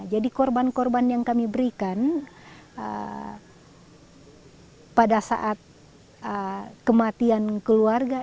jadi korban korban yang kami berikan pada saat kematian keluarga